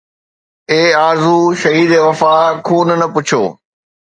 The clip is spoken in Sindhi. اي آرزو شهيد وفا! خون نه پڇو